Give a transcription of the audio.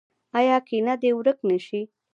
آیا کینه دې ورک نشي؟